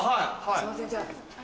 すいませんじゃあ。